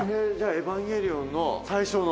エヴァンゲリオンの最初の。